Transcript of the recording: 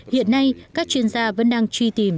hiện nay các chuyên gia vẫn đang truy tìm